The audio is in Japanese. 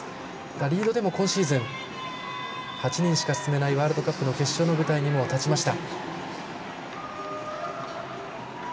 リードでも今シーズン８人しか進めないワールドカップの決勝の舞台にも立ちました。